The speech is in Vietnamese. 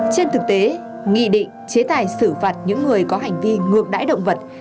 trên thực tế nghị định chế tài xử phạt những người có hành vi ngược đáy động vật